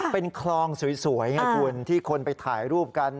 เป็นคลองสวยไงคุณที่คนไปถ่ายรูปกัน